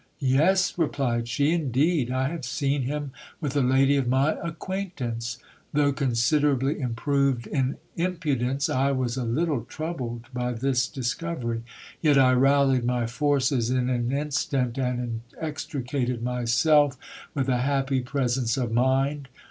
Yes, replied she ; indeed I have seen him with a lady of my acquaintance Though considerably improved in impudence, I was a little troubled by this discovery. Yet I rallied my forces in an instant, and extricated myself with a happy presence of mind.